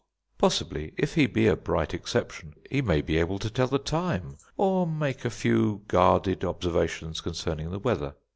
Possibly, if he be a bright exception, he may be able to tell the time, or make a few guarded observations concerning the weather.